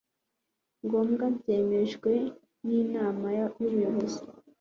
ngombwa byemejwe n inama y ubuyobozi